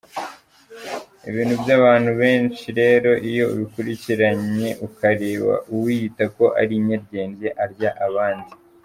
Ibintu by’abantu benshi rero iyo utabikurikitanye ukareba, uwiyita ko ari inyaryenge arya abandi.